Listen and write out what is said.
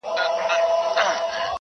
• داسي ښکاري چي بېلېږي د ژوند لاره -